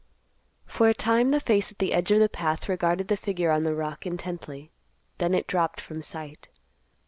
For a time the face at the edge of the path regarded the figure on the rock intently; then it dropped from sight.